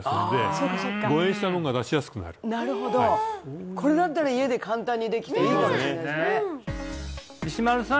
なるほどこれだったら家で簡単にできていいかもしれないですね